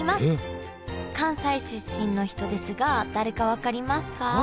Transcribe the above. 関西出身の人ですが誰か分かりますか？